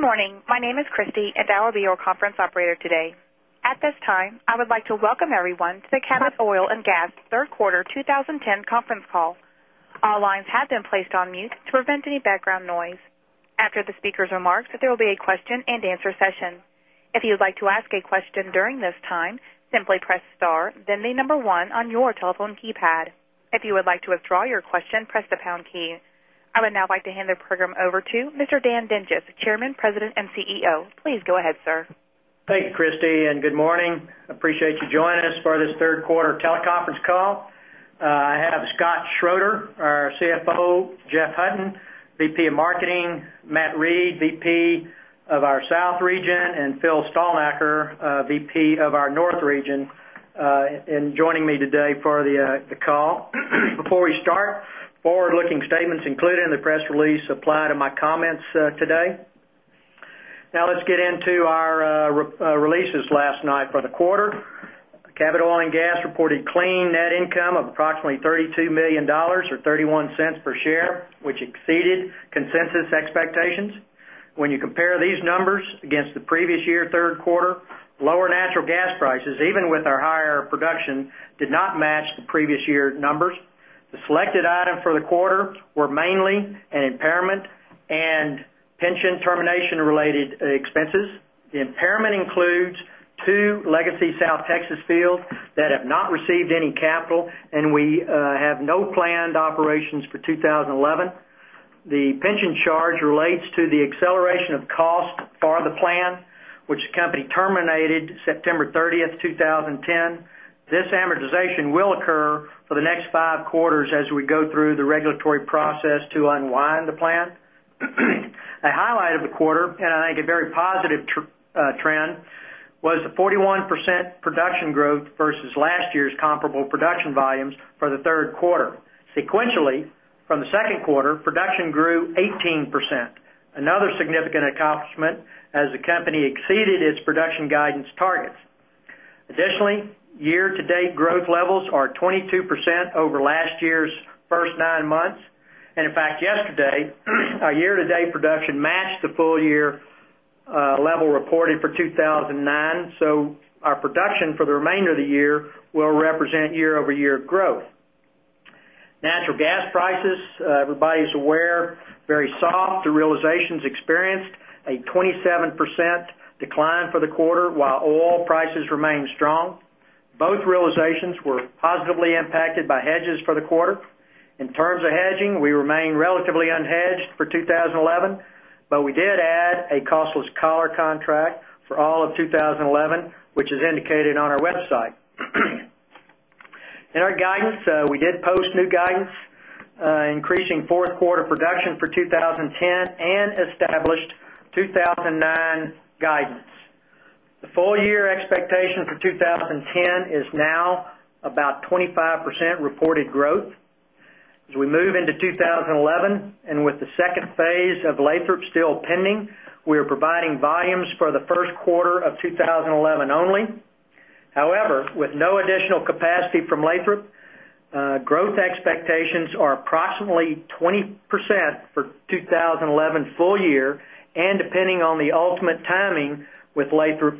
Good morning. My name is Christie, and I will be your conference operator today. At this time, I would like to welcome everyone to the Cabot Oil and Gas Third Quarter 2010 Conference Call. All lines have been placed on mute to prevent any background noise. After the speakers' remarks, there will be a question and answer session. I would now like to hand the program over to Mr. Dan Dinges, Chairman, President and CEO. Please go ahead, sir. Thank you, Christy, and good morning. Appreciate you joining us for this Q3 teleconference call. I have Scott Schroeder, our CFO Jeff Hutton, VP of Marketing Matt Reed, VP of our South Region and Phil Stalmacher, VP of our North Region and joining me today for the call. Before we start, forward looking statements included in the press release apply to my comments today. Now let's get into our releases last night for the quarter. Cabot Oil and Gas reported clean net income of approximately $32,000,000 or $0.31 per share, which exceeded consensus expectations. When you compare these numbers against the previous year Q3, lower natural gas prices even with our higher production did not match the previous year numbers. The selected item for the quarter were mainly an impairment and pension termination related expenses. The impairment includes 2 legacy fields that have not received any capital and we have no planned operations for 2011. The pension charge relates to the acceleration of cost for the plan, which the company terminated September 30, 20 10. This amortization will occur for the next 5 quarters as we go through the regulatory process to unwind the plan. A highlight of the quarter and I think a very positive trend was the 41% production growth versus last year's comparable production volumes for the Q3. Sequentially, from the Q2, production grew 18%, another significant accomplishment as the company exceeded its production guidance targets. Additionally, year to date growth levels are 22% over last year's 1st 9 And in fact yesterday, our year to date production matched the full year level reported for 2,009. So our production for the remainder of the year will represent year over year growth. Natural gas prices, everybody is aware, very soft. The realizations experienced a 27% decline for the quarter, while oil prices remain strong. Both realizations were positively impacted by hedges for the quarter. In terms of hedging, we remain relatively unhedged for 2011, but we did add a costless collar contract for all of 2011, which is indicated on our website. In our guidance, we did post new guidance, increasing 4th quarter production for 2010 and established 2,009 guidance. The full year expectation for 20 10 is now about 25% reported growth. As we move into 2011 and with the second phase of Lathrop still pending, we are providing volumes for the Q1 of 2011 only. However, with no additional capacity from Lathrop, growth expectations are approximately 20% for 2011 full year and depending on the ultimate timing with Lathrop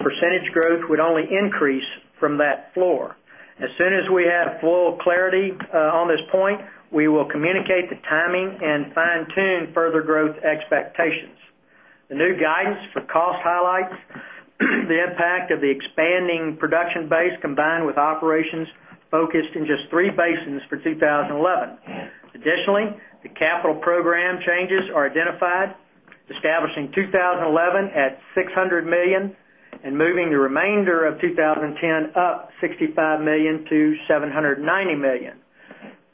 percentage growth would only increase from that floor. As soon as we have full clarity on this point, we will communicate the timing and fine tune further growth expectations. The new guidance for cost highlights, the impact of the expanding production base combined with operations focused in just 3 basins for 2011. Additionally, the capital program changes are identified, establishing 2011 at $600,000,000 and moving the remainder of 2010 up $65,000,000 to $790,000,000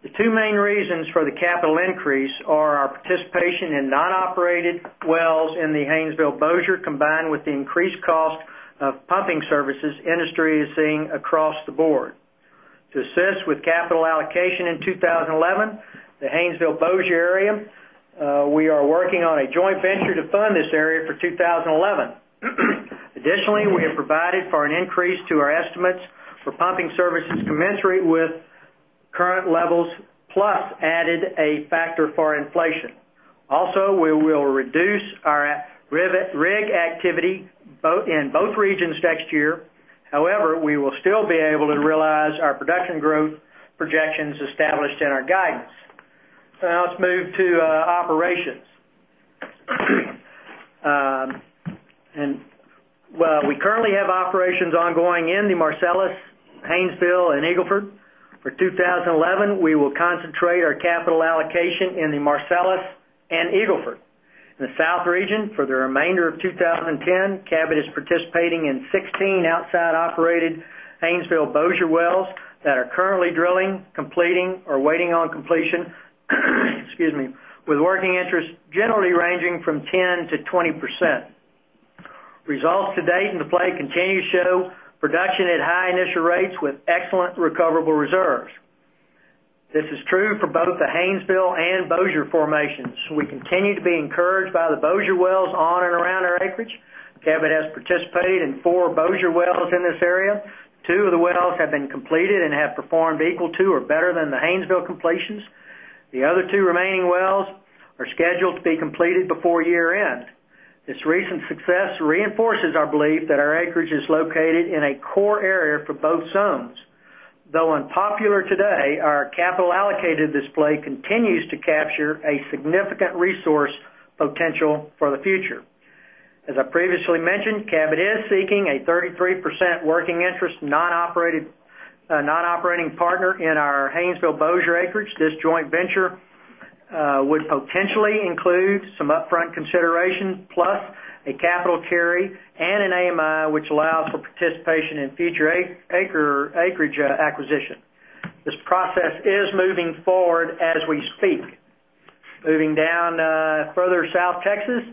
The two main reasons for the capital increase are our participation in non operated wells in the HaynesvilleBossier combined with the increased cost of pumping services industry is seeing across the board. To assist with capital allocation in 2011, the HaynesvilleBossier area, we are working on a joint venture to fund this area for 2011. Additionally, we have provided for an increase to our estimates for pumping services commensurate with current levels plus added a factor for inflation. Also, we will reduce our rig activity in both regions next year. However, we will still be able to realize our production growth projections established in our guidance. So now let's move to operations. And we currently have operations ongoing in the Marcellus, Haynesville and Eagle Ford. For 2011, we will concentrate our capital allocation in the Marcellus and Eagle Ford. In the South region, for the remainder of 2010, Cabot is participating in 16 outside operated HaynesvilleBossier wells that are currently drilling, completing or waiting on completion, with working interest generally ranging from 10% to 20%. Results to date in the play continue to show production at high initial rates with excellent recoverable reserves. This is true for both the Haynesville and Bossier formations. We continue to be encouraged by the Bossier wells on and around our acreage. Cabot has participated in 4 Bossier wells in this area. 2 of the wells have been completed and have performed equal to or better than the Haynesville completions. The other 2 remaining wells are scheduled to be completed before year end. This recent success reinforces our belief that our acreage is located in a core area for both zones. Though unpopular today, our capital allocated display continues to capture a significant resource potential for the future. As I previously mentioned, Cabot is seeking a 33% working interest non operating partner in our HaynesvilleBossier acreage. This joint venture would potentially include some upfront consideration plus a capital carry and an AMI, which allows for participation in future acreage acquisition. This process is moving forward as we speak. Moving down further South Texas,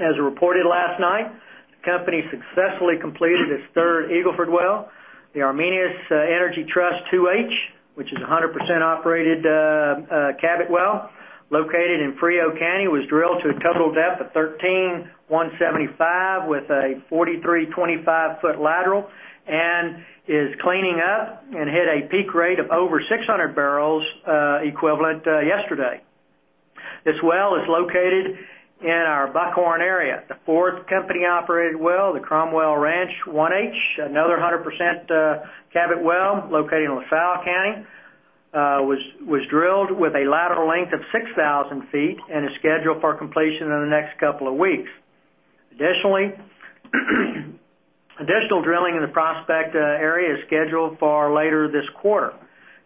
as reported last night, the company successfully completed its 3rd Eagle Ford well, the Armenias Energy Trust 2H, which is 100 percent operated Cabot well located in Frio County was drilled to a total depth of 13 175 with a 4325 foot lateral and is cleaning up and hit a peak rate of over 600 barrels equivalent yesterday. This well is located in our Buckhorn area, the 4th company operated well, the Cromwell Ranch 1H, another 100 percent Cabot well located in LaSalle County, was drilled with a lateral length of 6,000 feet and is scheduled for completion in the next couple of weeks. Additional drilling in the prospect area is scheduled for later this quarter.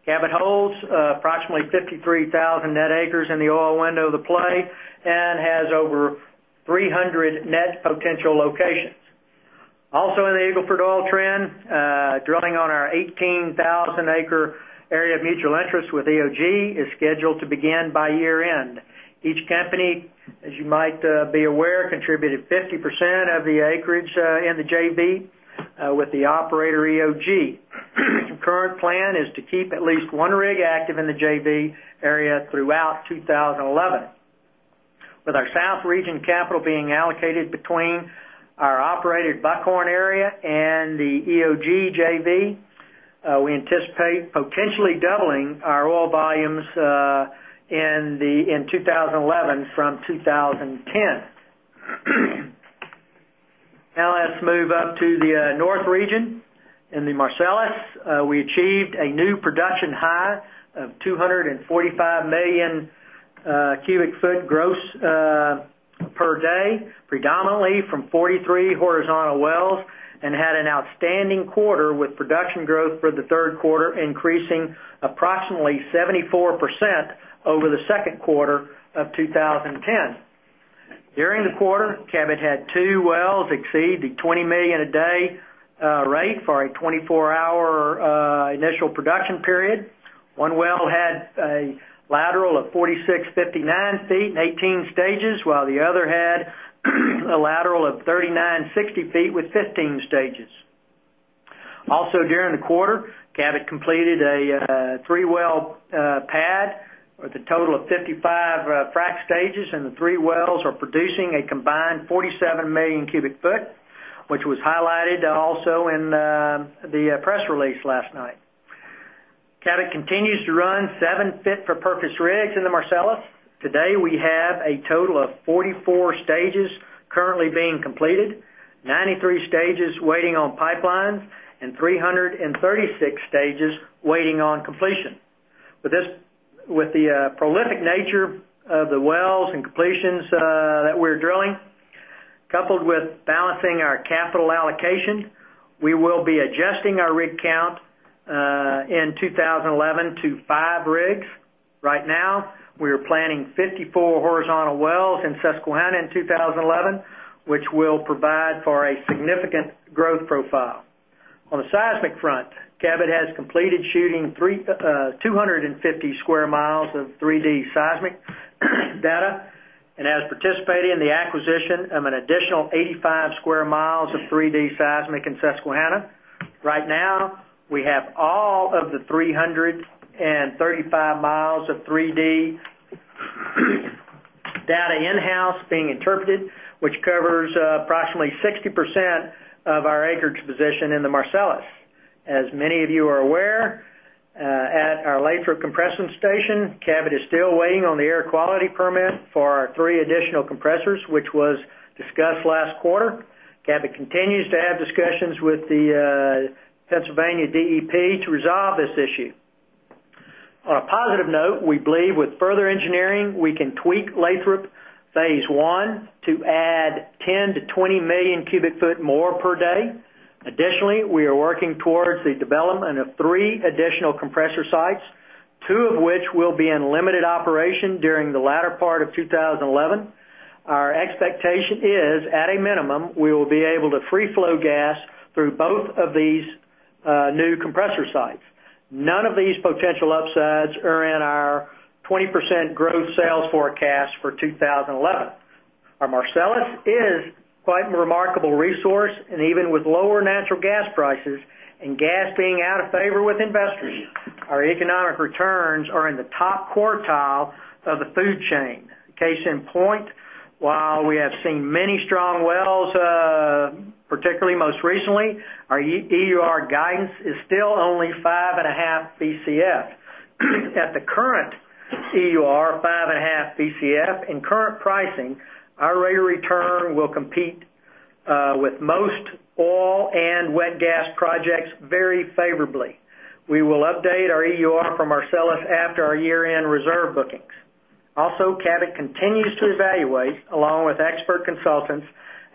Cabot holds approximately 53,000 net acres in the oil window of the play and has over 300 net potential locations. Also in the Eagle Ford oil trend, drilling on our 18,000 acre area of mutual interest with EOG is scheduled to begin by year end. Each company, as you might be aware, contributed 50% of the acreage in the JV with the operator EOG. Current plan is to keep at least 1 rig active in the JV area throughout 2011. With our South region capital being allocated between our operated Buckhorn area and the EOG JV, we anticipate potentially doubling our oil volumes in 2011 from 2010. Now let's move up to the North region In the Marcellus, we achieved a new production high of 245,000,000 cubic foot gross per day predominantly from 43 horizontal wells and had an outstanding quarter with production growth for the 3rd quarter increasing approximately 74% over the Q2 of 2010. During the quarter, Cabot had 2 wells exceed the 20,000,000 a day rate for a 24 hour initial production period. One well had a lateral of 46, 59 feet in 18 stages, while the other had a lateral of 39, 60 feet with 15 stages. Also during the quarter, Cabot completed a 3 well pad with a total of 55 frac stages and the 3 wells are producing a combined 47,000,000 cubic foot, which was highlighted also in the press release last night. Cabot continues to run 7 fit for purpose rigs in the Marcellus. Today, we have a total of 44 stages currently being completed, 93 stages waiting on pipelines and 336 stages waiting on completion. With this with the prolific nature of the wells and completions that we're drilling, coupled with balancing our capital allocation, we will be adjusting our rig count in 2011 to 5 rigs. Right now, we are planning 54 horizontal wells in Susquehanna in 2011, which will provide for a significant growth profile. On the seismic front, Cabot has completed shooting 250 square miles of 3 d seismic data And as participating in the acquisition of an additional 85 square miles of 3dseismic in Susquehanna, right now we have all of the 335 miles of 3 d data in house being interpreted, which covers approximately 60% of our acreage position in the Marcellus. As many of you are aware, at our Laffer compression station, Cabot is still waiting on the air quality permit for our 3 additional compressors, which was discussed last quarter. Cabot continues to have discussions with the Pennsylvania DEP to resolve this issue. On a positive note, we believe with further engineering, we can tweak Lathrop Phase 1 to add 10,000,000 to 20,000,000 cubic foot more per day. Additionally, we are working towards the development of 3 additional compressor sites, 2 of which will be in limited operation during the latter part of 2011. Our expectation is at a minimum, we will be able to free flow gas through both of these new compressor sites. None of these potential upsides are in our 20% gross sales forecast 2011. Our Marcellus is quite remarkable resource and even with lower natural gas prices and gas being out of favor with investors, our economic returns are in the top quartile of the food chain. Case in point, while we have seen many strong wells, particularly most recently, our EUR guidance is still only 5 0.5 Bcf. At the current EUR 5.5 Bcf and current pricing, our rate of return will compete with most oil and wet gas projects very favorably. We will update our EUR from Arcellus after our year end reserve bookings. Also, Cabot continues to evaluate along with expert consultants,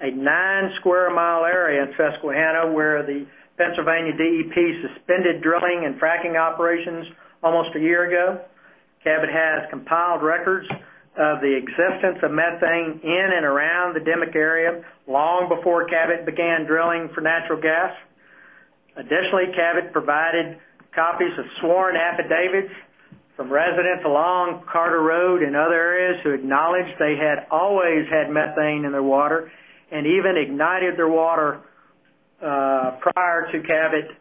a 9 square mile area in Susquehanna where the Pennsylvania DEP suspended drilling and fracking operations almost a year ago. Cabot has compiled records of the existence of methane in and around the Demick area long before Cabot began drilling for natural gas. Additionally, Cabot provided copies of sworn affidavits from residents along Carter Road and other areas who acknowledged they had always had methane in their water and even ignited their water prior to Cabot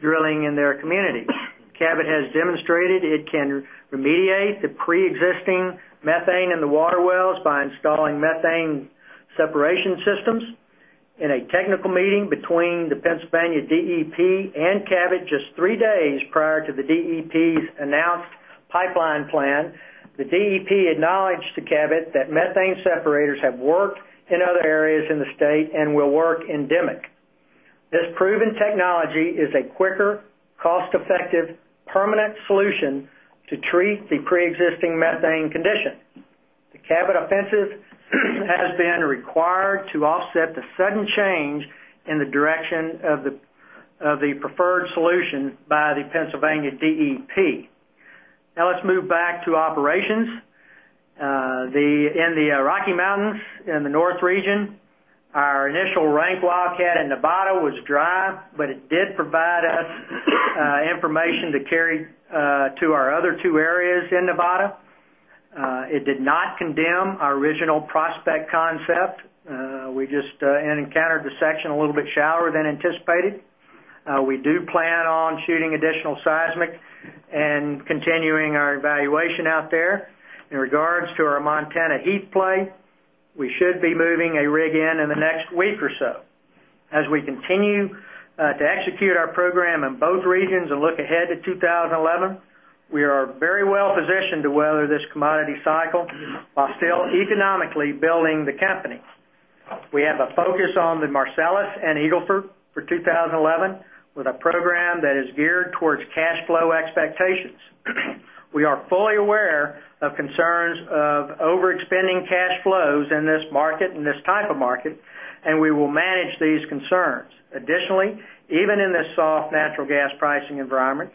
drilling in their communities. Cabot has demonstrated it can remediate the pre existing methane in the water wells by installing methane separation systems. In a technical meeting between the Pennsylvania DEP and Cabot just 3 days prior to the DEP's announced pipeline plan, the DEP acknowledged to Cabot that methane separators have worked in other areas in the state and will work endemic. This proven technology is a quicker, cost effective, permanent solution to treat the pre existing methane condition. The Cabot offensive has been required to offset the sudden change in the direction of the preferred solution by the Pennsylvania DEP. Now let's move back to operations. In the Rocky Mountains, in the North region, our initial rank wildcat in Nevada was dry, but it did provide us information to carry to our other two areas in Nevada. It did not condemn our original prospect concept. We just encountered the section a little bit shallower than anticipated. We do plan on shooting additional seismic and continuing our evaluation out there. In regards to our Montana heat play, we should be moving a rig in, in the next week or so. As we continue to execute our program in both regions and look ahead to 2011, we are very well positioned to weather this commodity cycle, while still economically building the company. We have a focus on the Marcellus and Eagle Ford for 20 11 with a program that is geared towards cash flow expectations. We are fully aware of concerns of overexpending cash flows in this market, in this type of market, and we will manage these concerns. Additionally, even in this soft natural gas pricing environment,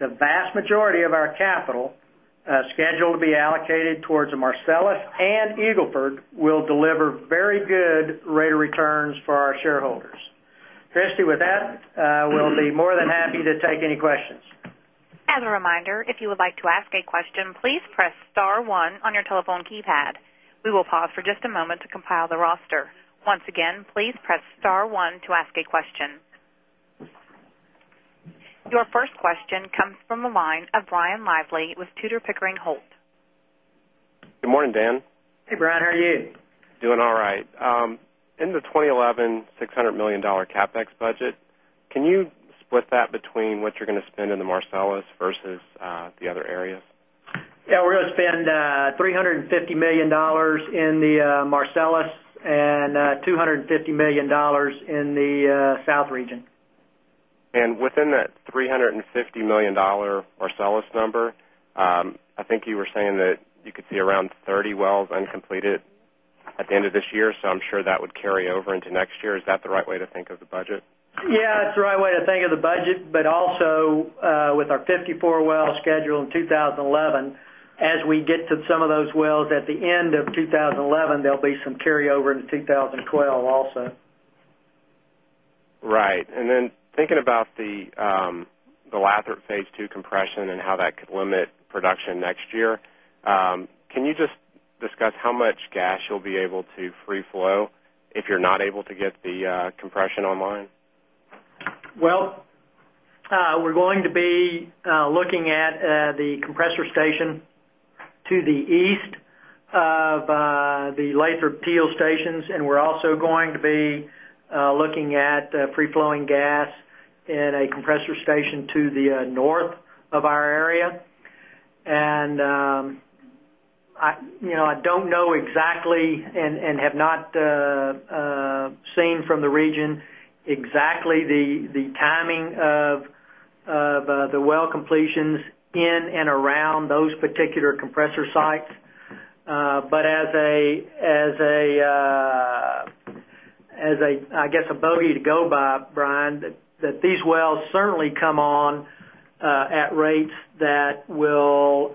the vast majority of our capital scheduled to be allocated towards the Marcellus and Eagle Ford will deliver very good rate of returns for our shareholders. Christy, with that, we'll be more than happy to take any questions. Your first question comes from the line of Brian Lively with Tudor, Pickering, Holt. Good morning, Dan. Hey, Brian. How are you? Doing all right. In the $2011,600,000,000 CapEx budget, can you split that between what you're going to spend in the Marcellus versus the other areas? Yes. We're going to spend $350,000,000 in the Marcellus and $250,000,000 in the South region. And within that 350,000,000 dollars Arcellus number, I think you were saying that you could see around 30 wells uncompleted at the end of this year. So I'm sure that would carry over into next year. Is that the right way to think of the budget? Yes. It's the right way to think of the budget. But also with our 54 well scheduled in 2011, as we get to some of those wells at the end of 2011, there'll be some carryover into 2012 also. Right. And then thinking about the Lathrop Phase 2 compression and how that could limit production next year. Can you just discuss how much gas you'll be able to free flow if you're not able to get the compression online? Well, we're going to be looking at the compressor station to the east of the Lathrop Steel stations and we're also going to be looking at free flowing gas in a compressor station to the north of our area. And I don't know exactly and have not seen from the region exactly the timing of the well completions in and around those particular compressor sites. But as I guess a bogey to go by Brian that these wells certainly come on at rates that will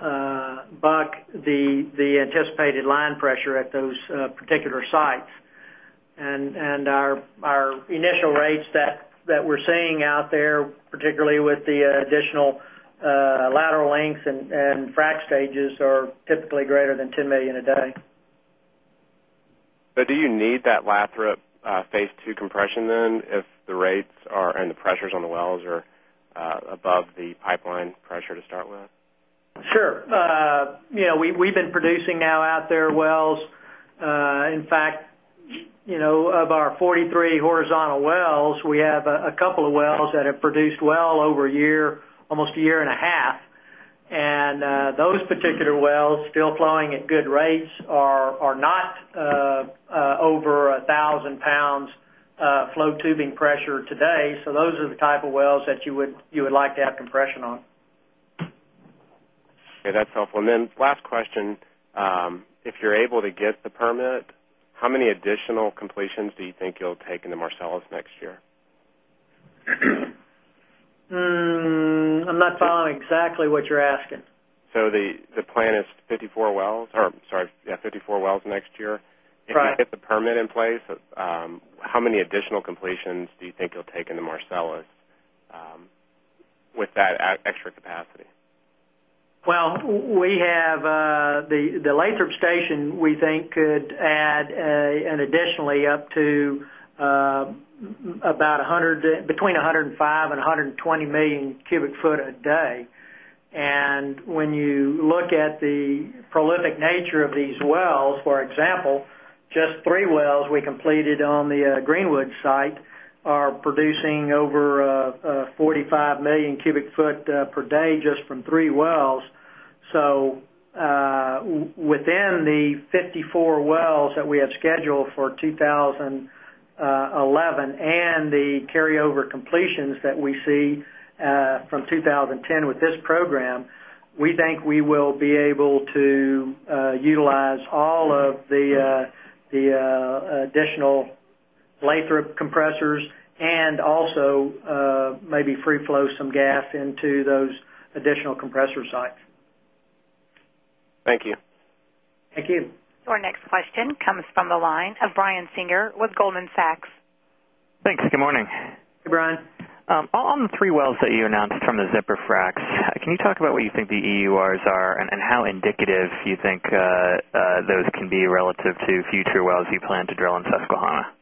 buck the anticipated line pressure at those particular sites. And our initial rates that we're seeing out there, particularly with the additional lateral lengths and frac stages are typically greater than $10,000,000 a day. But do you need that Lathrop Phase 2 compression then if the rates are and the pressures on the wells are above the pipeline pressure to start with? Sure. We've been producing now out there wells. In fact of our 43 horizontal wells, we have a couple of wells that have produced well over a year, almost 1 year and those particular wells still flowing at good rates are not over a £1,000 flow tubing pressure today. So those are the type of wells that you would like to have compression on. Okay. That's helpful. And then last question. If you're able to get the permit, how many additional completions do you think you'll take into Marcellus next year? I'm not following exactly what you're asking. So the plan is 54 wells sorry, 54 wells next year. If you get the permit in place, how many additional completions do you think you'll take into Marcellus with that extra capacity? Well, we have the Lathrop station we think could add an additionally up to about 100 between 105,000,000 and 120,000,000 cubic foot a day. And when you look at the prolific nature of these wells, for example, just 3 wells we completed on the Greenwood site are producing over 45,000,000 cubic foot per day just from 3 wells. So within the 54 wells that we have scheduled for 2011 and the carryover completions that we see from 2010 with this program, we think we will be able to utilize all of the additional Lathrop compressors and also maybe free flow some gas into those additional compressor sites. Thank you. Thank you. Your next question comes from the line of Brian Singer with Goldman Sachs. Thanks. Good morning. Hey, Brian. On the 3 wells that you announced from the Zipper fracs, can you talk about what you think the EURs are? And how indicative you think those can be relative to future wells you plan to drill in Susquehanna?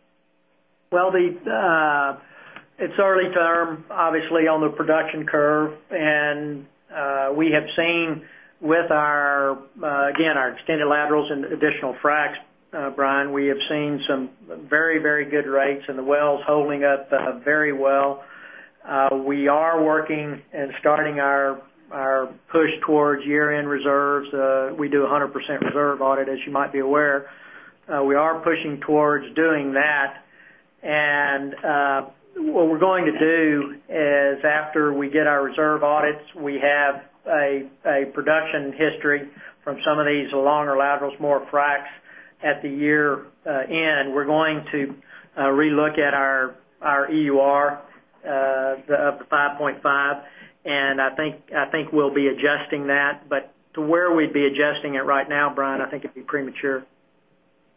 Well, it's early term obviously on the production curve. And we have seen with our again our extended laterals and additional fracs, Brian, we have seen some very, very good rates and the wells holding up very well. We are working and starting our push towards year end reserves. We do 100% reserve audit as you might be aware. We are pushing towards doing that. And what we're going to do is after we get our reserve audits, we have a production history from some of these longer laterals more fracs at the year end. We're going to relook at our EUR of the $5,500,000 And I think we'll be adjusting that. But to where we'd be adjusting it right now Brian, I think it'd be premature.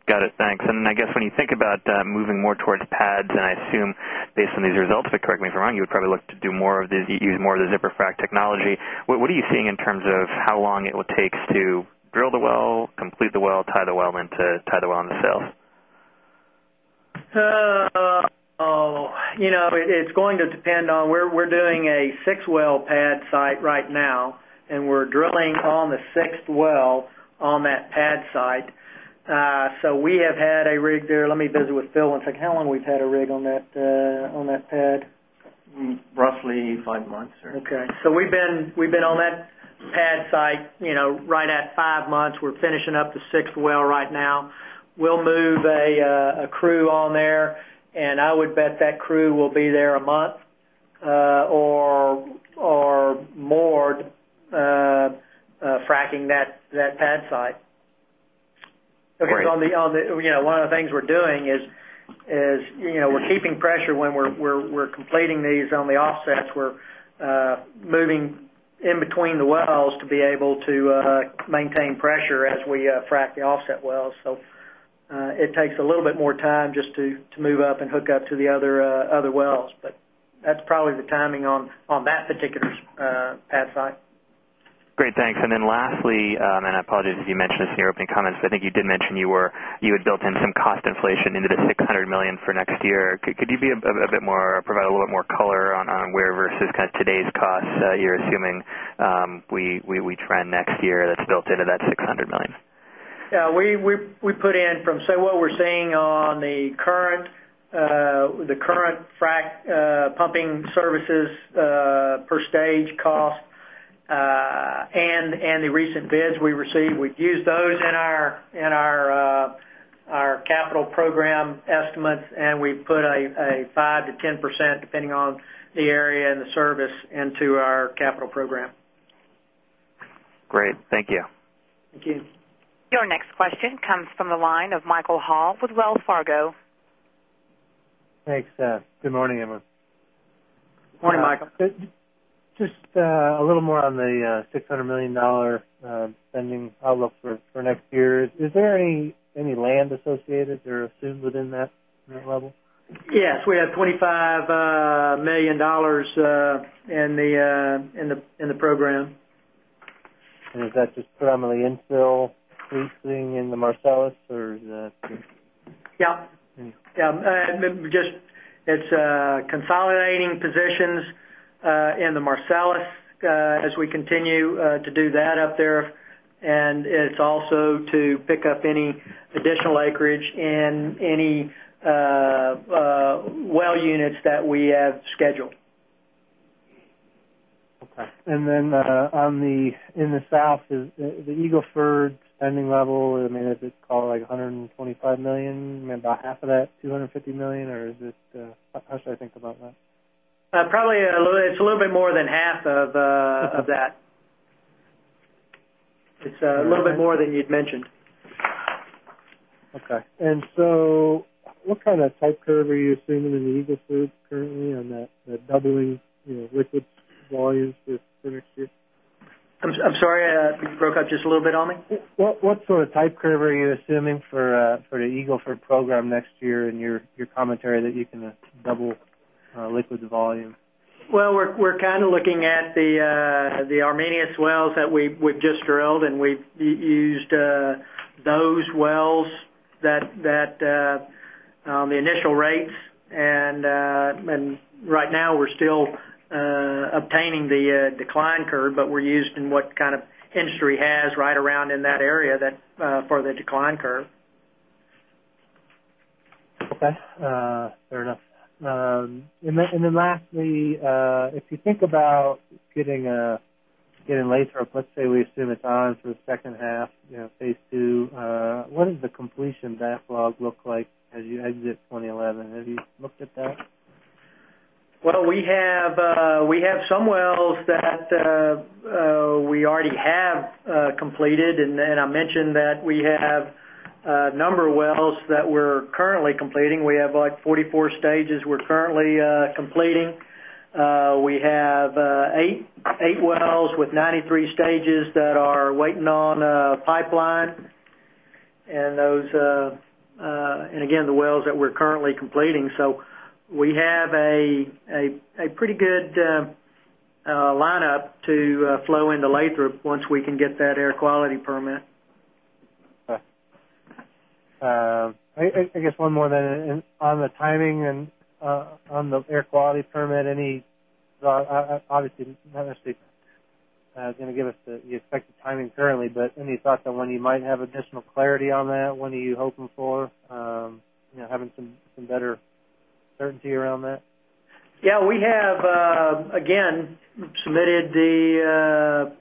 Got it. Thanks. And I guess when you think about moving more towards pads and I assume based on these results, correct me if I'm wrong, you would probably look to do more of the use more of the zipper frac technology. What are you seeing in terms of how long it will take to drill the well, complete the well, tie the well into the sale? It's going to depend on we're doing a 6 well pad site right now and we're drilling on the 6th well on that pad site. So we have had a rig there. Let me visit with Phil one second. How long we've had a rig on that pad? Roughly 5 months. Okay. So we've been on that pad site right at 5 months. We're finishing up the 6th well right now. We'll move a crew on there. And I would bet that crew will be there a month or more fracking that pad side. Right. Okay. So on the one of the things we're doing is we're keeping pressure when we're completing these on the offsets. We're moving in between the wells to be able to maintain pressure as we frac the offset wells. So it takes a little bit more time just to move up and hook up to the other wells. But that's probably the timing on that particular pad site. Great. Thanks. And then lastly, and I apologize if you mentioned in your opening comments, but I think you did mention you were you had built in some cost inflation into the $600,000,000 for next year. Could you be a bit more provide a little more color on where versus kind of today's costs you're assuming we trend next year that's built into that 600,000,000 dollars Yes. We put in from say what we're seeing on the current frac pumping services per stage cost and the recent bids we received. We've used those in our capital program estimates and we put a 5% to 10% depending on the area and the service into our capital program. Great. Thank you. Thank you. Your next question comes from the line of Michael Hall with Wells Fargo. Thanks. Good morning, Emma. Good morning, Michael. Just a little more on the 6 $100,000,000 spending outlook for next year. Is there any land associated or assumed within that level? Yes. We had $25,000,000 in the program. And is that just primarily infill leasing in the Marcellus or is that Yes. Just it's consolidating positions in the Marcellus as we continue to do that up there. And it's also to pick up any additional acreage in any well units that we have scheduled. Okay. And then on the in the South, the Eagle Ford spending level, I mean, is it call it like 125 dollars I mean, about half of that $250,000,000 or is this how should I think about that? Probably a little it's a little bit more than half of that. It's a little bit more than you'd mentioned. Okay. And so what kind of type curve are you assuming in the Eagle Ford currently on the doubling liquids volumes for next year? I'm sorry, you broke up just a little bit on me. What sort of type curve are you assuming for the Eagle Ford program next year in your commentary that you can double liquid the volume? Well, we're kind of looking at the Arminius wells that we've just drilled and we've used those wells that the initial rates. And right now, we're still obtaining the decline curve, but we're used in what kind of industry has right around in that area that for the decline curve. Okay. Fair enough. And then lastly, if you think about getting laser, let's say, we assume it's on for the second half Phase 2. What does the completion backlog look like as you exit 2011? Have you looked at that? Well, we have some wells that we already have completed. And I mentioned that we have a number of wells that we're currently completing. We have like 44 stages we're currently completing. We have 8 wells with 93 stages that are waiting on pipeline. And those and again the wells that we're currently completing. So we have a pretty good lineup to flow into Lathrop once we can get that air quality permit. Okay. I guess one more then on the timing and on the air quality permit any obviously going to give us the expected timing currently, but any thoughts on when you might have additional clarity on that? When are you hoping for having some better certainty around that? Yes. We have again submitted the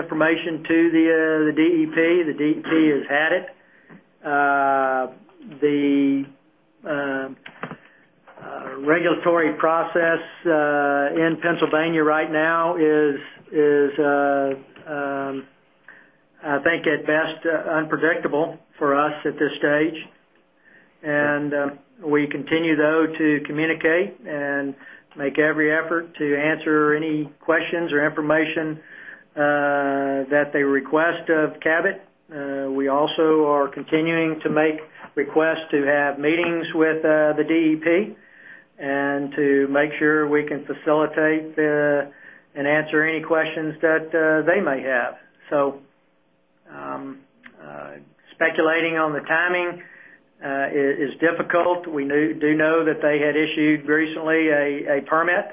information to the DEP. The DEP has had it. The regulatory process in Pennsylvania right now is I think at best unpredictable for us at this stage. And we continue though to communicate and make every effort to answer any questions or information that they request of Cabot. We also are continuing to make requests to have meetings with the DEP and to make sure we can facilitate and answer any questions that they may have. So speculating on the timing is difficult. We do know that they had issued recently a permit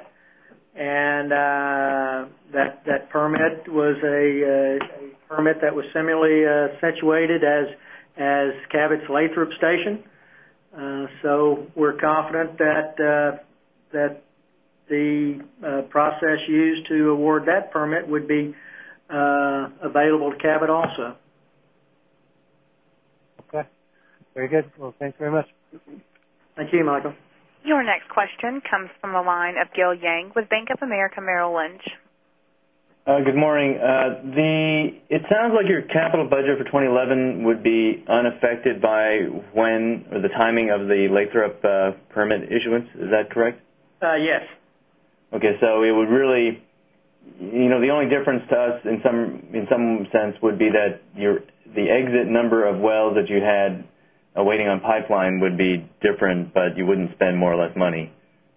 and that permit was a permit that was similarly situated as Cabot's Lathrop Station. So we're confident that the process used to award that permit would be available to Cabot also. Okay. Very good. Well, thanks very much. Thank you, Michael. Your next question Your next question comes from the line of Gil Yang with Bank of America Merrill Lynch. Good morning. The it sounds like your capital budget for 2011 would be unaffected by when or the timing of the Lathrop permit issuance. Is that correct? Yes. Okay. So it would really the only difference to us in some sense would be that the exit number of wells that you had awaiting on pipeline would be different, but you wouldn't spend more or less money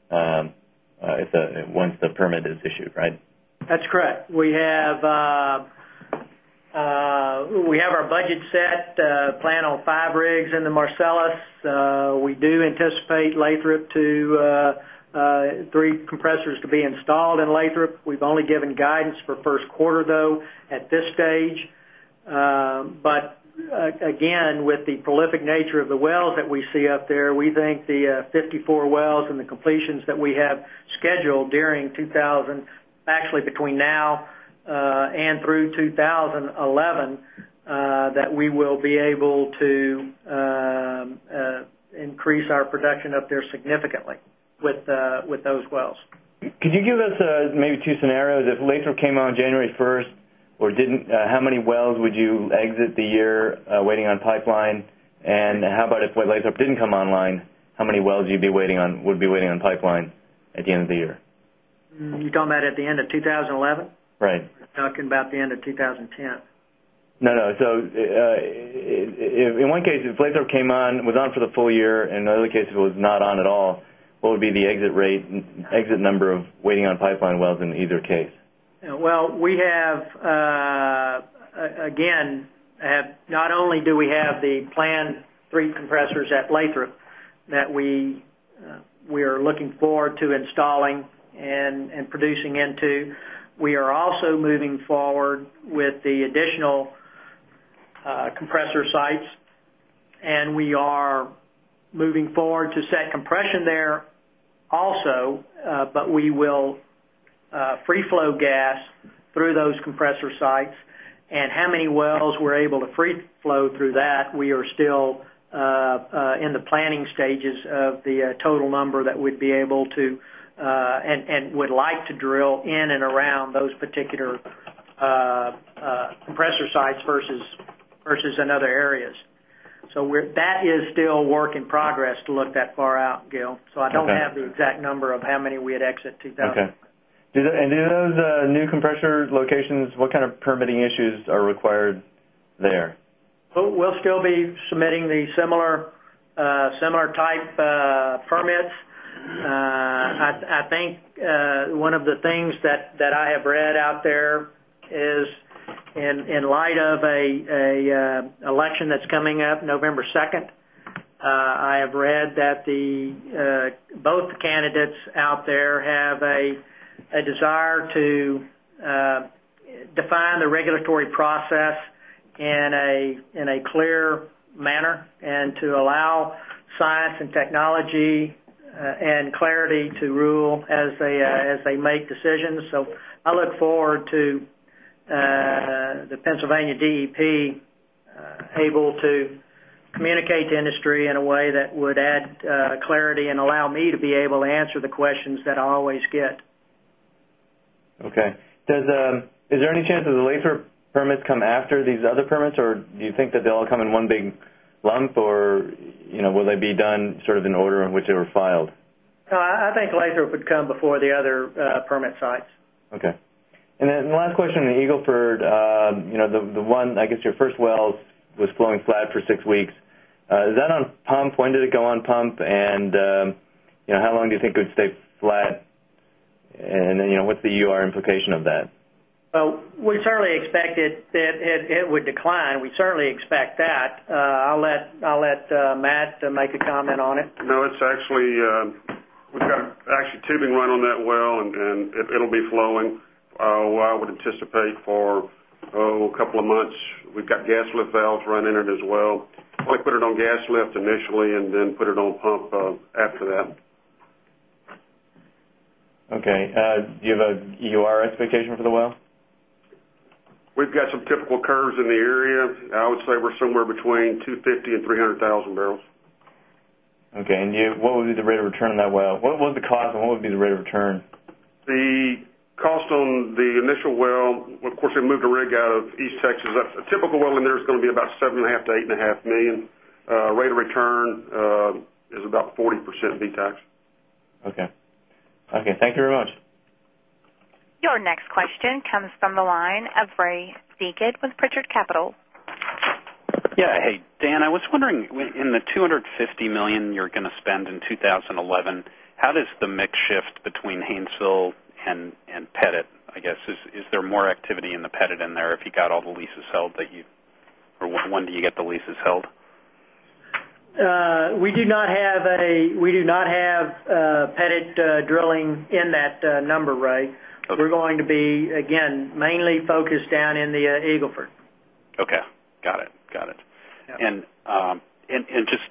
once the permit is issued, right? That's correct. We have our budget set, plan on 5 rigs in the Marcellus. We do anticipate Lathrop to 3 compressors to be installed in Lathrop. We've only given guidance for Q1 though at this stage. But again with the prolific nature of the wells that we see up there, we think the 54 wells and the completions that we have scheduled during 2,000 actually between now and through 2011 that we will be able to increase our production up there significantly with those wells. Could you give us maybe 2 scenarios? If LASER came on January 1 or didn't how many wells would you exit the year waiting on pipeline? And how about if LightSorb didn't come online, how many wells you'd be waiting on would be waiting on pipeline at the end of the year? You're talking about at the end of 2011? Right. You're talking about the end of 2010. No, no. So in one case if Play Store came on, it was on for the full year and in the other case it was not on at all, what would be the exit rate exit number of waiting on pipeline wells in either case? Well, we have again, not only do we have the planned 3 compressors at Lathrop that we are looking forward to installing and producing into. We are also moving forward with the additional compressor sites. And we are moving forward to set compression there also, but we will free flow gas through those compressor sites. And how many wells we're able to free flow through that, we are still in the particular compressor sites versus another areas. So that is still work in progress to look that far out, Gil. So I don't have the exact number of how many we had exit 2,000. Okay. And those new compressor locations, what kind of permitting issues are required there? We'll still be submitting the similar type permits. I think one of the things that I have read out there is in light of an election that's coming up November 2nd, I have read that the both candidates out there have a desire to define the regulatory process in a clear manner and to allow science and technology and clarity to rule as they make decisions. So I look forward to the Pennsylvania DEP able to communicate to industry in a way that would add clarity and allow me to be able to answer the questions that I always get. Okay. Does is there any chance that the laser permits come after these other permits? Or do you think that they'll all come in one big lump? Or will they be done sort of in order in which they were filed? I think later it would come before the other permit sites. Okay. And then last question on the Eagle Ford, the one I guess your first well was flowing flat for 6 weeks. Is that on pump? When did it go on pump? And how long do you think it would stay flat? And what's the UR implication of that? We certainly expect it would decline. We certainly expect that. I'll let Matt to make a comment on it. No, it's actually we've got actually tubing run on that well and it will be flowing. I would anticipate for a couple of months, we've got gas lift valves running in it as well. We put it on gas lift initially and then put it on pump after that. Okay. Do you have a EUR expectation for the well? We've got some typical curves in the area. I would say we're somewhere between 250,000 and 300,000 barrels. Okay. And what would be the rate of return on that well? What was the cost and what would be the rate of return? The cost on the initial well, of course, we moved a rig out of East Texas. A typical well in there is going to be about $7,500,000 to $8,500,000 Rate of return is about 40% B tax. Okay. Thank you very much. Your next question comes from the line of Ray Deakid with Pritchard Capital. Yes. Hey, Dan, I was wondering in the $250,000,000 you're going to spend in 2011, how does the mix shift between Haynesville and Pettit? I guess, is there more activity in the Pettit in there if you got all the leases held that you or when do you get the leases held? We do not have a we do not have a petit drilling in that number, Ray. We're going to be again mainly focused down in the Eagle Ford. Okay. Got it. Got it. And just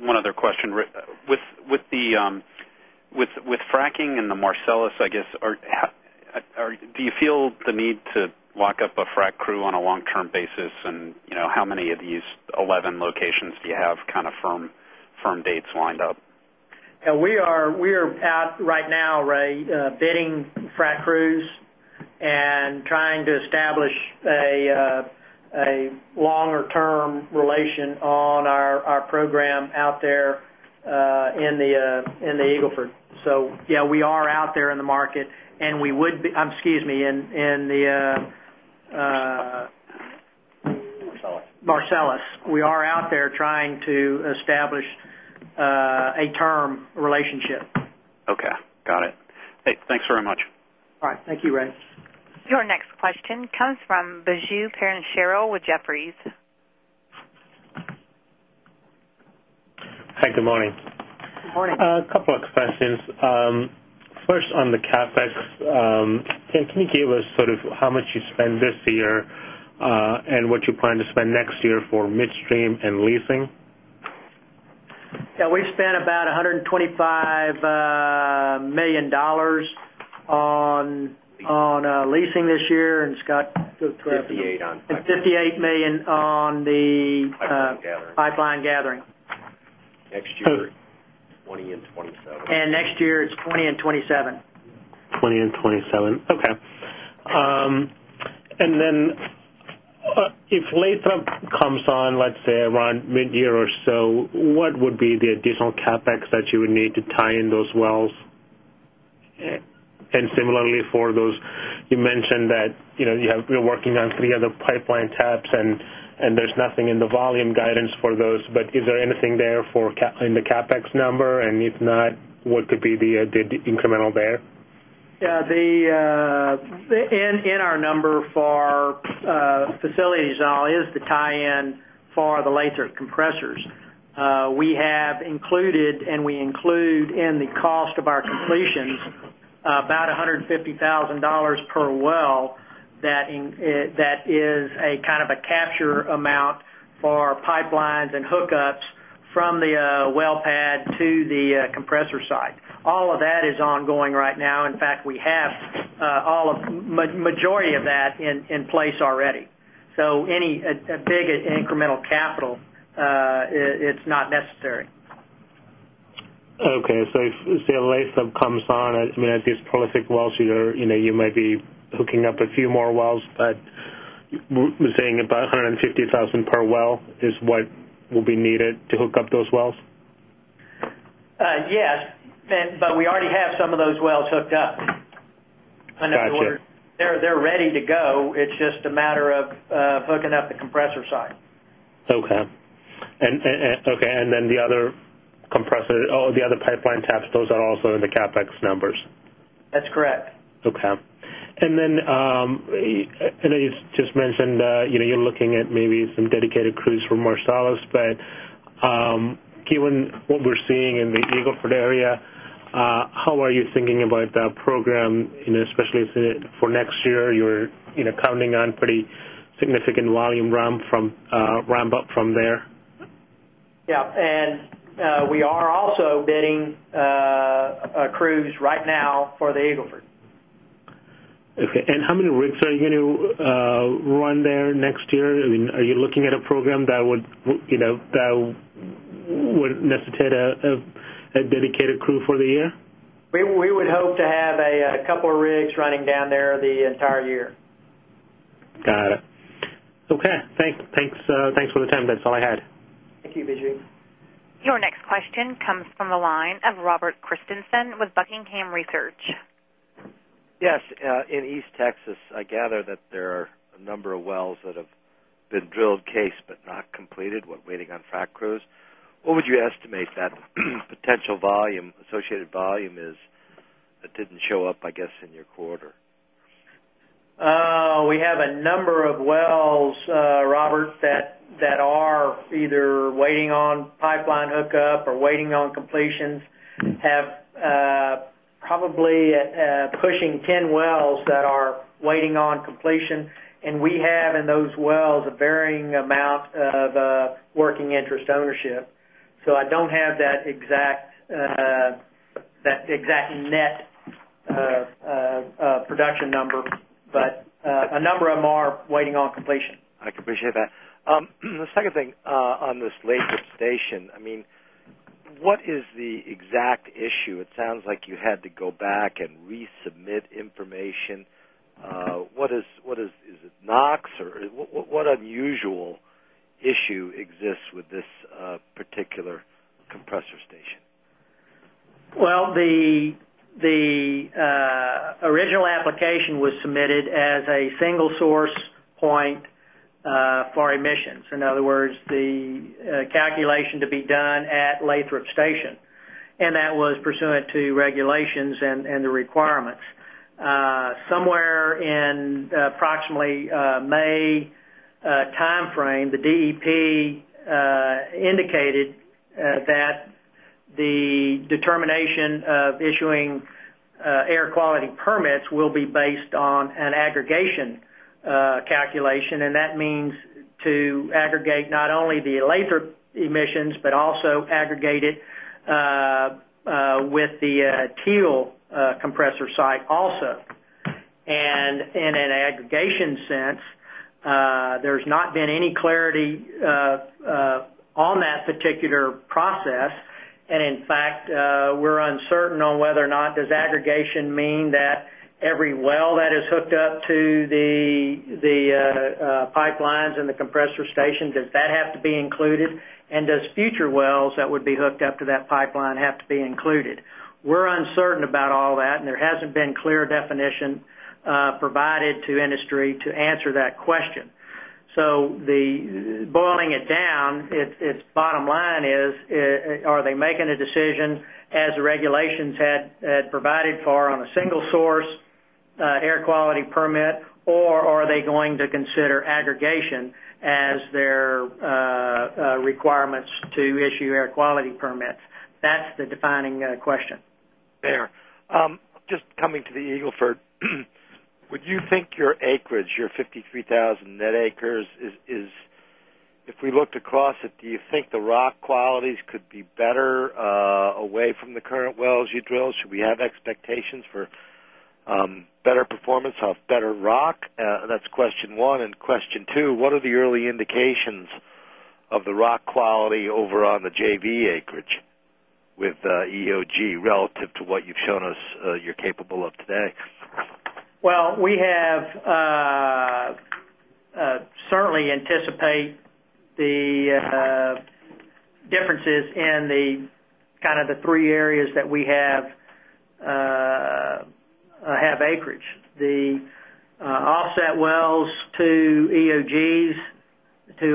one other question. With fracking in the Marcellus, I guess, do you feel the need to lock up a frac crew on a long term basis? And how many of these 11 locations do you have kind of firm dates lined up? We are out right now, Ray, bidding frac crews and trying to establish a longer term relation on our program out there in the Eagle Ford. So yes, we are out there in the market and we would excuse me, in the Marcellus. Marcellus. We are out there trying to establish a term relationship. Okay. Got it. Thanks very much. All right. Thank you, Ray. Your next question comes from Biju Perincheril with Jefferies. Hi, good morning. Good morning. A couple of questions. First on the CapEx, can you give us sort of how much you spend this year and what you plan to spend next year for midstream and leasing? Yes. We spent about $125,000,000 on leasing this year. And Scott 58,000,000 the $58,000,000 on the pipeline gathering. Next year 2020 and 27. And next year, it's 2027. 2027. Okay. And then if Latham comes on, let's say, around midyear or so, what would be the additional CapEx that you would need to tie in those wells? And similarly for those, you mentioned that you have been working on 3 other pipeline taps and there's nothing in the volume guidance for those. But is there anything there for in the CapEx number? And if not, what could be the incremental there? Yes. The in our number for facilities, Zal, is to tie in for the laser compressors. We have included and we include in the cost of our completions about $150,000 per well that is a kind of a capture amount for pipelines and hookups from the well pad to the compressor side. All of that is ongoing right now. In fact, we have all of majority of that in place already. So any big incremental capital, it's not necessary. Okay. So if you see a lay slip comes on, I mean, at these prolific wells, you might be hooking up a few more wells, but we're saying about $150,000 per well is what will be needed to hook up those wells? Yes. But we already have some of those wells hooked up. They're ready to go. It's just a matter of hooking up the compressor side. Okay. And then the other compressor the other pipeline taps, those are also in the CapEx numbers? That's correct. Okay. And then, I know you just mentioned, you're looking at maybe some dedicated crews from Marcellus, but given what we're seeing in the Eagle Ford area, how are you thinking about that program, especially for next year, you're counting on pretty significant volume ramp up from there? Yes. And we are also bidding crews right now for the Eagle Ford. Okay. And how many rigs are you going to run there next year? I mean, are you looking at a program that would necessitate a dedicated crew for the year? We would hope to have a couple of rigs running down there the entire year. Got it. Okay. Thanks for the time. That's all I had. Thank you, Vijay. Your next question comes from the line of Robert Christensen with Buckingham Research. Yes. In East Texas, I gather that there are a number of wells that have been drilled case, but not completed while waiting on frac crews. What would you estimate that potential volume associated volume is that didn't show up I guess in your quarter? We have a number of wells, Robert that are either waiting on pipeline hookup or waiting on completions have probably pushing 10 wells that are waiting on completion. And we have in those wells a varying amount of working interest ownership. So I don't have that exact net production number, but a number of them are waiting on completion. I appreciate that. The second thing on this Lakewood station, I mean, what is the exact issue? It sounds like you had to go back and resubmit information. What is is it NOx? Or what unusual issue exists with this particular compressor station? Well, the original application was submitted as a single source point for emissions. In other words, the calculation to be done at Lathrop Station. And that was pursuant to regulations and the requirements. Somewhere in approximately May timeframe, the DEP indicated that the determination of issuing air quality permits will be based on an aggregation calculation. And that means to aggregate not only the laser emissions, but also aggregate it with the teal compressor site also. And in an aggregation sense, there's not been any clarity on that particular process. And in fact, we're uncertain on whether or not this aggregation mean that every well that is hooked up to the pipeline and the compressor stations? Does that have to be included? And does future wells that would be hooked up to that pipeline have to be included? We're uncertain about all that and there hasn't been clear definition provided to industry to answer that question. So the boiling it down, its bottom line is, are they making a decision as regulations had provided for on a single source air quality permit? Or are they going to consider aggregation as their requirements to issue air quality permits? That's the defining question. Fair. Just coming to the Eagle Ford, would you think your acreage, your 53,000 net acres is if we looked across it, do you think the rock qualities could better away from the current wells you drill? Should we have expectations for better performance of better rock? That's question 1. And question 2, what are the early indications of the rock quality over on the JV acreage with EOG relative to what you've shown us you're capable of today? Well, we have certainly anticipate the differences in the kind of the three areas that we have acreage. The offset wells to EOGs to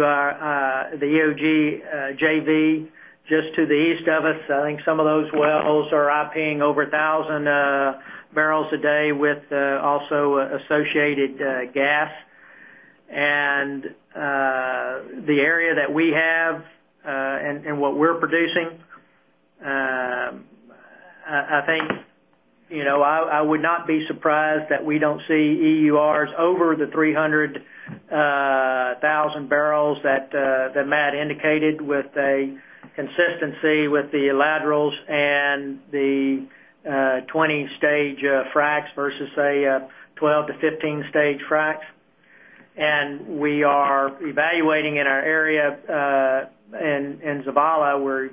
the EOG JV just to the east of us. I think some of those wells are IP ing over 1,000 barrels a day with also associated gas. And the area that we have and what we're producing, I think I would not be surprised that we don't see EURs over the 300,000 barrels that Matt indicated with a consistency with the laterals and the 20 stage fracs versus a 12 to 15 stage fracs. And we are evaluating in our area in Zavala, we're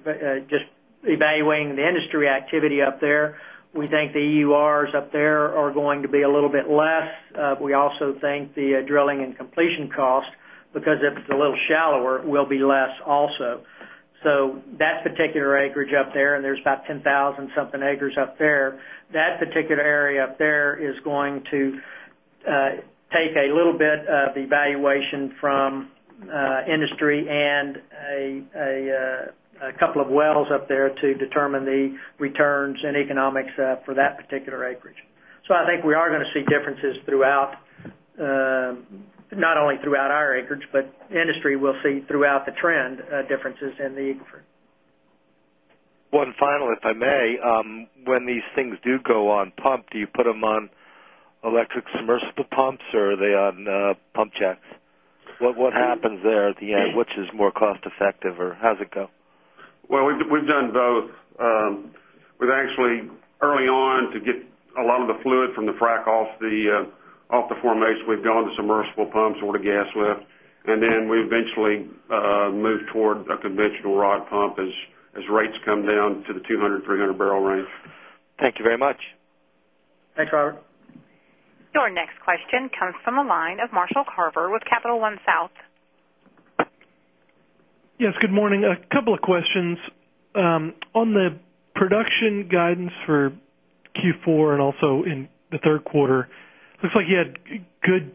just evaluating the industry activity up there. We think the EURs up there are going to be a little bit less. We also think the drilling and completion cost because it's a little shallower will be less also. So that particular acreage up there and there's about 10,000 something acres up there. That particular area up there is going to take a little bit of evaluation from industry and a couple of wells up there to determine the returns and economics for that particular acreage. So I think we are going to see differences throughout not only throughout our acreage, but industry will see throughout the trend differences in the Eagle Ford. One final if I may. When these things do go on pump, do you put them on electric submersible pumps or are they on pump jacks? What happens there at the end, which is more cost effective or how does it go? Well, we've done both. We've actually early on to get a lot of the fluid from the frac off the formation. We've gone to submersible pumps or the gas lift And then we eventually move toward a conventional rod pump as rates come down to the 200, 300 barrel range. Thank you very much. Thanks, Robert. Your next question comes from the line of Marshall Carver with Capital One South. Yes, good morning. A couple of questions. On the production guidance for Q4 and also in the Q3, it looks like you had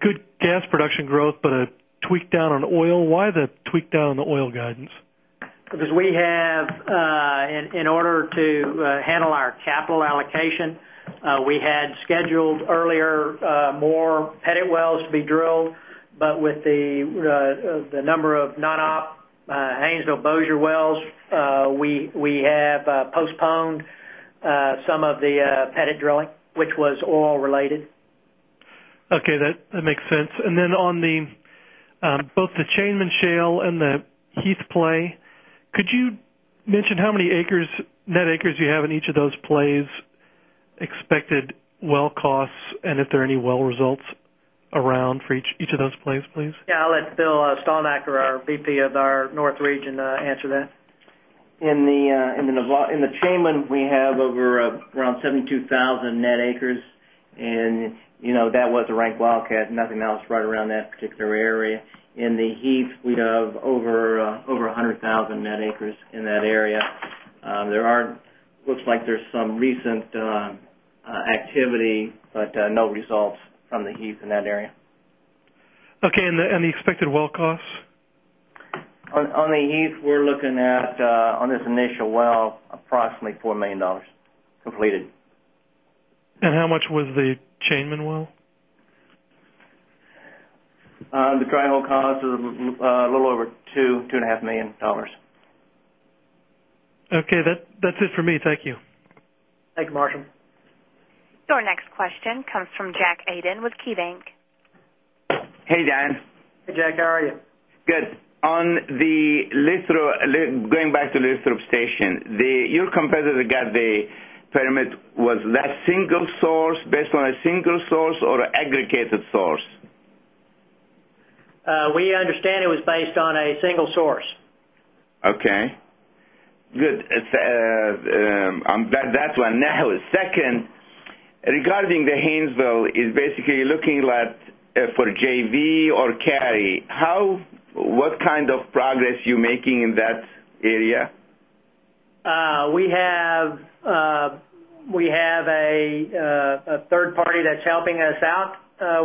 good gas production growth, but a tweak down on oil. Why the tweak down on the oil guidance? Because we have in order to handle our capital allocation, we had scheduled earlier more headed wells to be drilled. But with the number of non op HaynesvilleBossier wells, we have postponed some of the petit drilling, which was oil related. Okay. That makes sense. And then on the both the Chainman Shale and the Heath play, could you mention how many acres net acres you have in each of those plays, expected well costs and if there are any well results around for each of those plays please? Yes. I'll let Bill Stonacker, our VP of our North region answer that. In the in the chamber, we have over around 72,000 net acres and that was a ranked wildcat nothing else right around that particular area. In the Heath, we'd have over 100,000 net acres in that area. There are looks like there's some recent activity, but no results from the heap in that area. Okay. And the expected well costs? On the Heath, we're looking at on this initial well approximately $4,000,000 completed. And how much was the chainman well? The dry hole cost is a little over $2,000,000 $2,500,000 Okay. That's it for me. Thank you. Thank you, Marshall. Your next question comes from Jack Aden with KeyBanc. Hey, John. Hey, Jack. How are you? Good. On the lithro going back to lithro station, your competitor got the permit was that single source based on a single source or aggregated source? We understand it was based on a single source. Okay. Good. I'm glad that's one. Now second, regarding the Haynesville is basically looking at for JV or carry, how what kind of progress you're making in that area? We have a 3rd party that's helping us out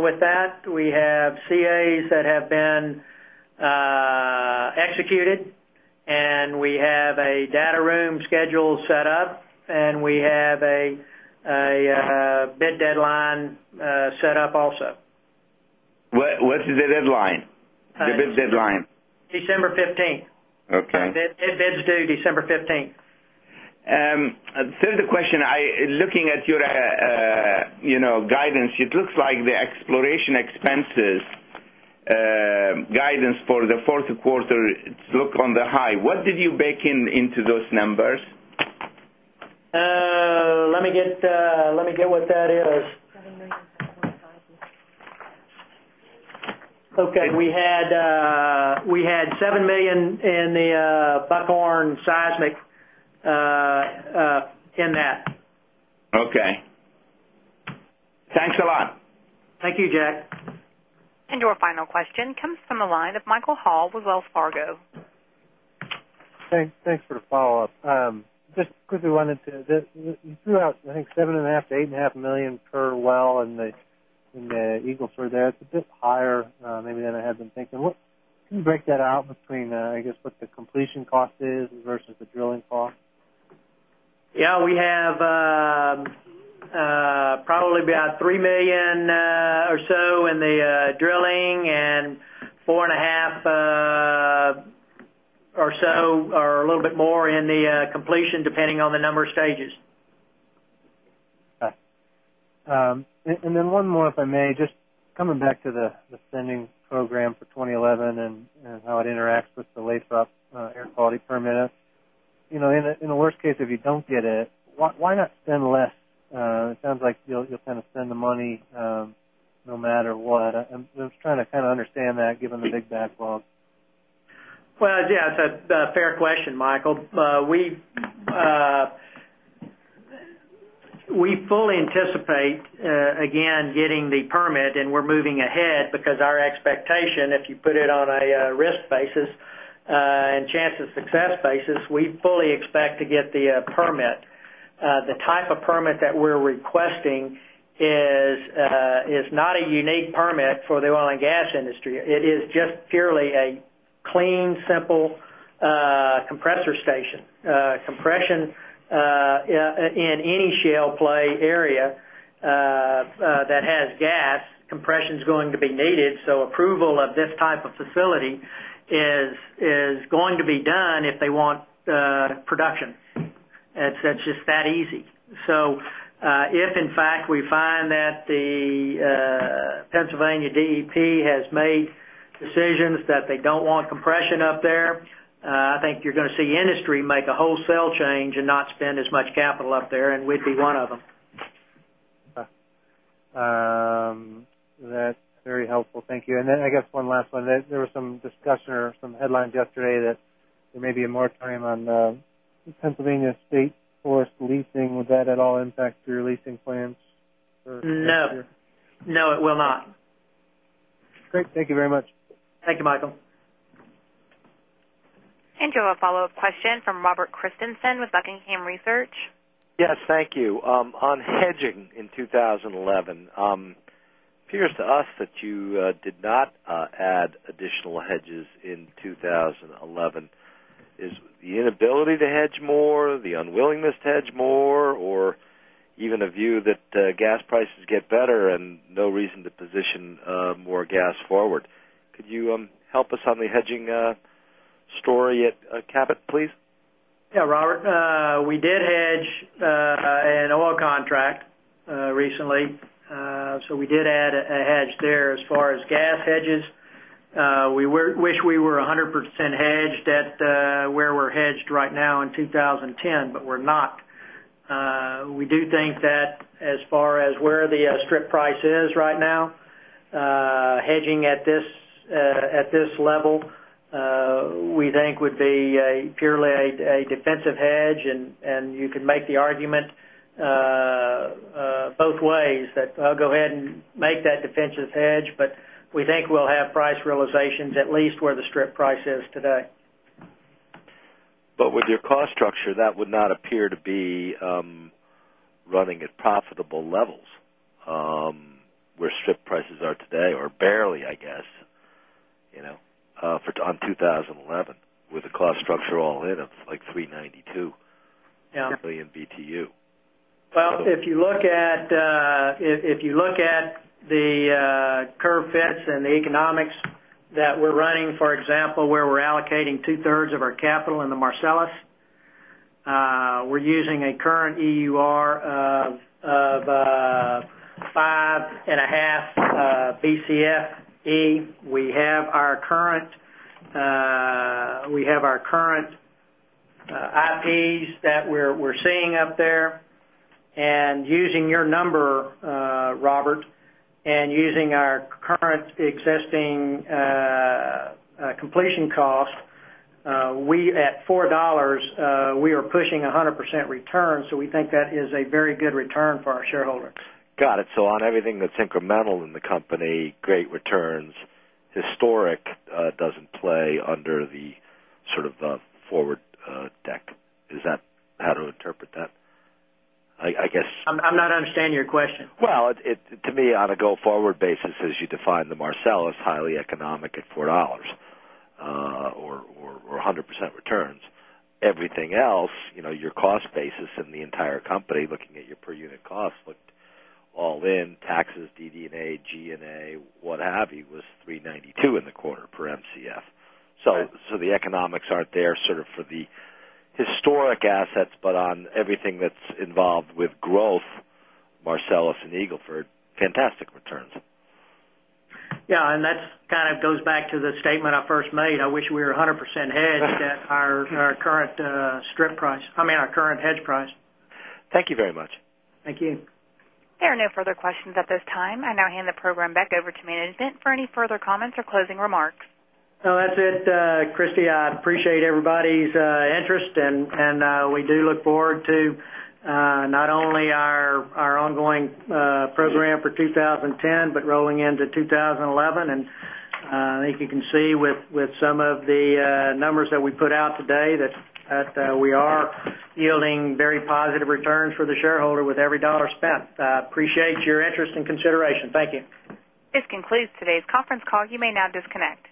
with that. We have CAs that have been executed and we have a data room schedule set up and we have a bid deadline set up also. What's the deadline? The bid deadline? December 15. Okay. The bid is due December 15. And third question, looking at your guidance, it looks like the exploration expenses guidance for the 4th quarter, it's look on the high. What did you bake into those numbers? Let me get what that is. Okay. We had $7,000,000 in the Buckhorn seismic in that. Okay. Thanks a lot. Thank you, Jack. And your final question comes from the line of Michael Hall with Wells Fargo. Thanks for the follow-up. Just quickly wanted to you drew out I think $7,500,000 to $8,500,000 per well in the Eagle Ford there. It's a bit higher maybe than I had been thinking. Can you break that out between I guess what the completion cost is versus the drilling cost? Yes. We have probably about $3,000,000 or so in the drilling and 4.5 percent or so or a little bit more in the completion depending on the number of stages. Okay. And then one more if I may. Just coming back to the spending program for 2011 and how it interacts with the LAFE air quality permit. In the worst case, if you don't get it, why not spend less? It sounds like you'll kind of spend the money no matter what. I'm just trying to kind of understand that given the big backlog. Well, yes, that's a fair question, Michael. We fully anticipate again getting the permit and we're moving ahead because our expectation if you put it on a risk basis and chance of success basis, we fully expect to get the permit. The type of permit that we're requesting is not a unique permit for the oil and gas industry. It is just purely a clean simple compressor station. Compression in any shale play area that has gas compression is going to be needed. So approval of this type of facility is going to be done if they want production. It's just that easy. So if in fact we find that the Pennsylvania DEP has made decisions that they don't want compression up there. I think you're going to see industry make a wholesale change and not spend as much capital up there and we'd be one of them. Okay. That's very helpful. Thank you. And then I guess one last one. There were some discussion or some headlines yesterday that there be a moratorium on Pennsylvania State Forest Leasing. Would that at all impact your leasing plans? No. No, it will not. Great. Thank you very much. Thank you, Michael. And you have a follow-up question from Robert Christensen with Buckingham Research. Yes, thank you. On hedging in 2011, it appears to us that you did not add additional hedges in 2011. Is the inability to hedge more, the unwillingness to hedge more or even a view that gas prices get better and no reason to position more gas forward. Could you help us on the hedging story at Cabot please? Yes, Robert. We did hedge an oil contract recently. So we did add a hedge there. As far as gas hedges, we wish we were 100% hedged at where we're hedged right now in 20 10, but we're not. We do think that as far as where the strip price is right now, hedging at this level, we think would be a purely a defensive hedge and you can make the argument both ways that I'll go ahead and make that defensive hedge. But we think we'll have price realizations at least where the strip price is today. But with your cost structure that would not appear to be running at profitable levels where strip prices are today or barely I guess on 2011 the cost structure all in of like $392,000,000,000 BTU? Well, if you look at the curve fits and the economics that we're running, for example, where we're allocating 2 thirds of our capital in the Marcellus, We're using a current EUR of 5.5 Bcf e. We have our current IPs that we're seeing up there. And using your number, Robert, and using our current existing completion cost, we at $4 we are pushing 100% return. So we think that is a very good return for our shareholders. Got it. So on everything that's incremental in the company, great returns, historic doesn't play under the forward deck. Is that how to interpret that? I guess I'm not understanding your question. Well, to me on a go forward basis as you define the Marcellus highly economic at $4 or 100% returns. Everything else, your cost basis in the entire company looking at your per unit cost looked all in taxes, DD and A, G and A, what have you, was $3.92 in the quarter per Mcf. So the economics aren't there sort of for the historic assets, but on everything that's involved with growth Marcellus and Eagle Ford fantastic returns. Yes. And that's kind of goes back to the statement I first made. I wish we were 100% hedged at our current strip price I mean our current hedge price. Thank you very much. Thank you. There are no further questions at this time. I now hand the program back over to management for any further comments or closing remarks. No, that's it, Christy. I appreciate everybody's interest and we do look forward to not only our ongoing program for 2010, but rolling into 2011. And I think you can see with some of the numbers that we put out today that we are yielding very positive returns for the shareholder with every dollar spent. I appreciate your interest and consideration. Thank you. This concludes today's conference call. You may now disconnect.